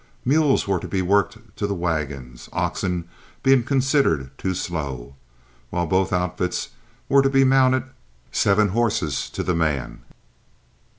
Mules were to be worked to the wagons, oxen being considered too slow, while both outfits were to be mounted seven horses to the man.